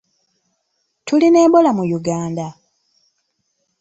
Tulina Ebola mu Uganda?